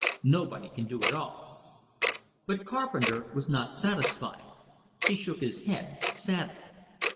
Nobody can do it all." But Carpenter was not satisfied; he shook his head, sadly.